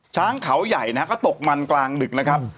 ช้างเขาใหญ่นะฮะก็ตกมันกลางดึกนะครับ